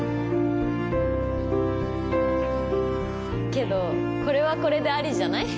けどこれはこれでありじゃない？